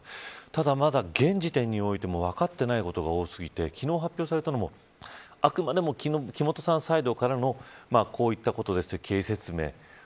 ただ現時点においてもまだ分かっていないことが多すぎて昨日、発表されたのもあくまでも木本さんサイドからのこういったことですっていう経緯説明。